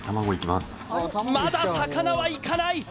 まだ魚はいかない！